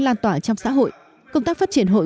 lan tỏa trong xã hội công tác phát triển hội